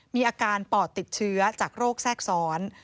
มีอาการปอดติดเชื้อจากโรคแทรกซ้อน